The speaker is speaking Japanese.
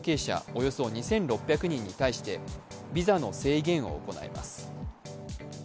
およそ２６００人に対して、ビザの制限を行います。